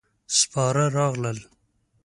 سپاره راغلل.